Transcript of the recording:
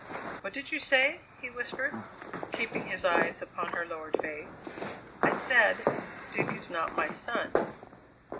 "What did you say?" he whispered, keeping his eyes upon her lowered face. "I said Dick is not my son."